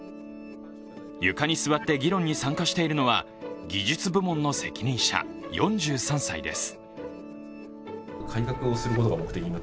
床に座って議論に参加しているのは技術部門の責任者４３歳です。